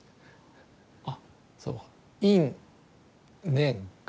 あっそうか因縁果。